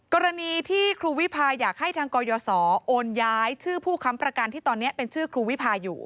กรณีที่ครูวิพาอยากให้ทางกรยศโอนย้ายชื่อผู้ค้ำประกันที่ตอนนี้เป็นชื่อครูวิพาอยู่